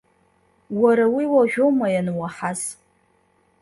Уара уи уажәоума иануаҳаз!?